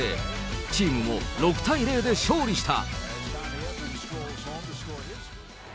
チームも６対０で勝利した。